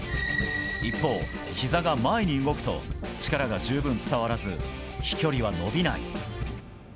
一方、ひざが前に動くと、力が十分伝わらず、飛距離は伸びない。